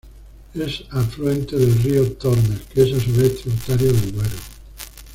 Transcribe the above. Es afluente del río Tormes, que es a su vez tributario del Duero.